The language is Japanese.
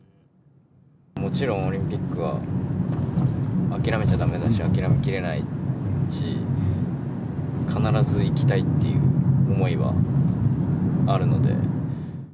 もちろんオリンピックは諦めちゃだめだし、諦めきれないし、必ず行きたいっていう思いはあるので。